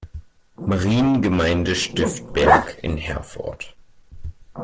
Mariengemeinde Stift Berg in Herford.